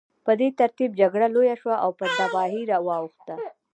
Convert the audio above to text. په دې ترتیب جګړه لویه شوه او په تباهۍ واوښته